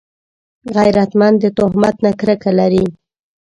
غیرتمند د تهمت نه کرکه لري